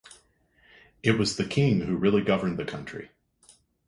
It was the king who really governed the country.